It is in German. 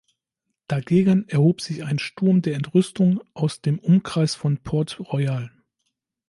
Dagegen erhob sich ein Sturm der Entrüstung aus dem Umkreis von Port-Royal.